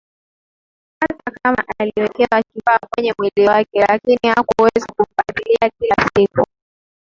Hata kama aliwekewa kifaa kwenye mwili wake lakini hakuweza kumfatilia kila siku